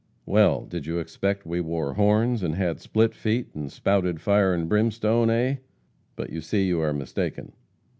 'Well, did you expect we wore horns, and had split feet, and spouted fire and brimstone, eh? But you see you are mistaken.